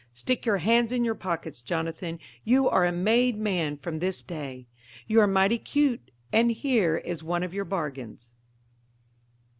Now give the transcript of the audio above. Stick your hands in your pockets, Jonathan you are a made man from this day; You are mighty cute and here is one of your bargains.